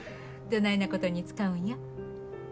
どないなことに使うんや？